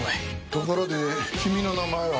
ところで君の名前は？